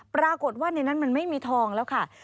ปรากฏว่าในนั้นมันไม่มีทองแล้วค่ะ